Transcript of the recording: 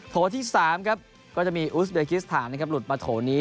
โถที่๓ก็จะมีอุสเบคิสถานหลุดมาโถนี้